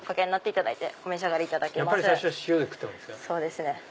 そうですね。